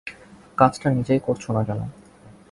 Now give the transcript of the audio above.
কাজটা নিজেই করছ না কেন?